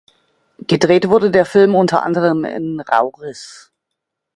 Gedreht wurde der Film unter anderem in Rauris.